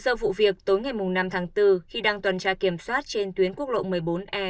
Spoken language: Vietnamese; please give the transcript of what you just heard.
theo hồ sơ vụ việc tối ngày năm tháng bốn khi đăng tuần tra kiểm soát trên tuyến quốc lộ một mươi bốn e